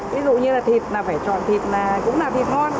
ví dụ như là thịt là phải chọn thịt là cũng là thịt ngon